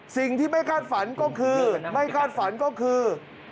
สิ่งที่ไม่คาดฝันก็คือไม่คาดฝันก็คือ